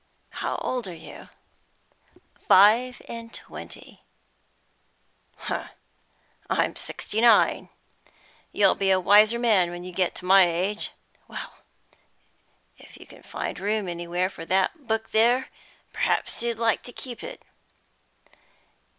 How old are you?" "Five and twenty." "H'm. I am sixty nine. You'll be a wiser man when you get to my age. Well, if you can find room anywhere for that book there, perhaps you'd like to keep it!"